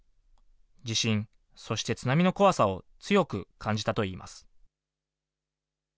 地震、そして津波の怖さを強く感じたといいます。